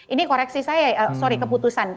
ini koreksi saya sorry keputusan